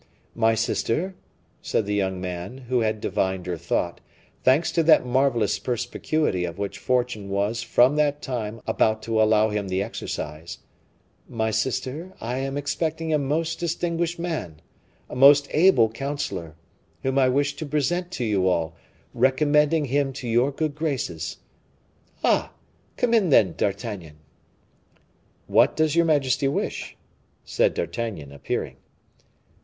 "My sister," said the young man, who had divined her thought, thanks to that marvelous perspicuity of which fortune was from that time about to allow him the exercise, "my sister, I am expecting a most distinguished man, a most able counselor, whom I wish to present to you all, recommending him to your good graces. Ah! come in, then, D'Artagnan." "What does your majesty wish?" said D'Artagnan, appearing.